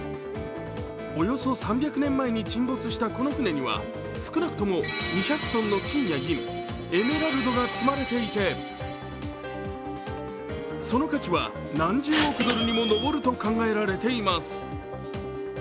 およそ３００年前に沈没したこの船には少なくとも２００ｔの金や銀、エメラルドが積まれていてその価値は何十億ドルにも上ると考えられています。